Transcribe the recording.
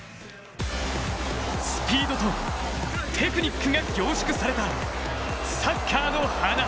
スピードとテクニックが凝縮されたサッカーの華。